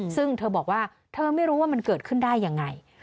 ซึ่งเธอบอกว่าเธอไม่รู้ว่ามันเกิดขึ้นได้ยังไง